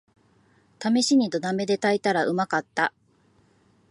ためしに土鍋で炊いたらうまかった